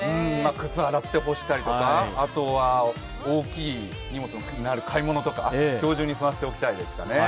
靴洗って干したりとか、大きい荷物になる買い物とか、今日中に済ませておきたいですね。